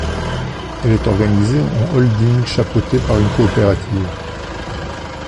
Elle est organisée en holding chapeautée par une coopérative.